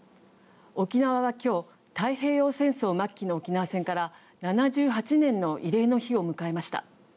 沖縄は今日太平洋戦争末期の沖縄戦から７８年の慰霊の日を迎えました。